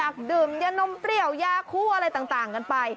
ากมาอยากดื่มหน้านมเปรี้ยวยาคู้อะไรต่างกันไป